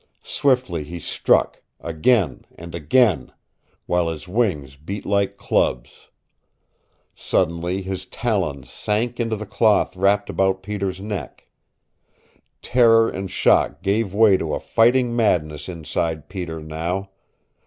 Swiftly he struck, again and again, while his wings beat like clubs. Suddenly his talons sank into the cloth wrapped about Peter's neck. Terror and shock gave way to a fighting madness inside Peter now.